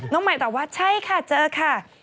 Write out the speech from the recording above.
ใหม่ตอบว่าใช่ค่ะเจอค่ะ